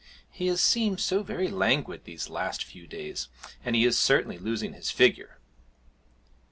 He has seemed so very languid these last few days, and he is certainly losing his figure!'